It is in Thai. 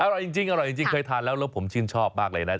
อร่อยจริงอร่อยจริงเคยทานแล้วแล้วผมชื่นชอบมากเลยนะ